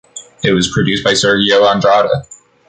It was produced by Sergio Andrade.